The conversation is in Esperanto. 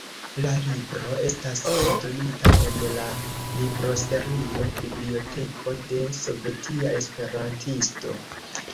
La libro estas eldonita en la libroserio "Biblioteko de Sovetia Esperantisto"